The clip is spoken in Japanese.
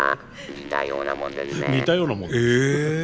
似たようなもんなんだ。